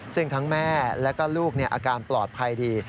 ซึ่งทั้งแม่แล้วก็ลูกอาการปลอดภัยดี